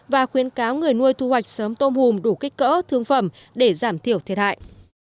và khuyến cáo người nuôi thu hoạch sớm tôm hùm đủ kích cỡ thương phẩm để giảm thiểu thiệt hại